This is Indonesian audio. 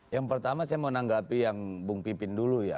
yang pertama saya mau menanggapi yang bung pipin dulu ya